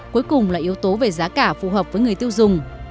cuối cùng là yếu tố về giá cả phù hợp với người tiêu dùng